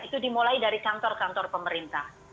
itu dimulai dari kantor kantor pemerintah